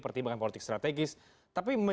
pertimbangan politik strategis tapi